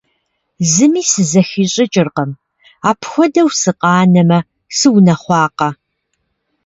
Зыми сызэхищӀыкӀыркъым. Апхуэдэу сыкъанэмэ сыунэхъуакъэ.